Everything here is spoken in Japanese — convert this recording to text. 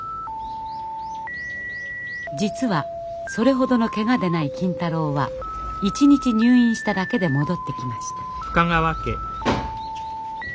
実はそれほどのケガでない金太郎は１日入院しただけで戻ってきました。